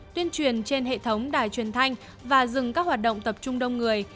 tuyên truyền trên hệ thống đài truyền thanh và dừng các hoạt động tập trung đông người